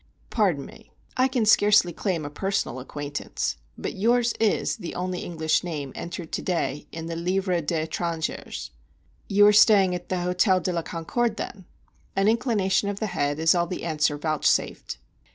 "Pardon me, I can scarcely claim a personal acquaintance. But yours is the only English name entered to day in the Livre des Étrangers." "You are staying at the Hôtel de la Concorde, then?" An inclination of the head is all the answer vouchsafed.